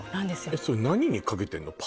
えっそれ何にかけてんの？